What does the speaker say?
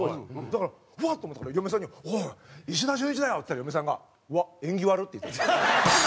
だからうわ！と思って嫁さんに「おい石田純一だよ！」って言ったら嫁さんが「うわ縁起悪っ！」って言ったんですよ。